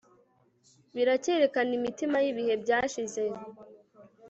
Biracyerekana imitima yibihe byashize